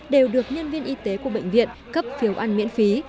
đều được nhân viên y tế của bệnh viện cấp phiếu ăn miễn phí